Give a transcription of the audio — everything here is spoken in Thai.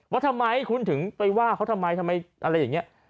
ว่าทำไมคุณถึงไปว่าเขาทำไมทำไมอะไรอย่างนี้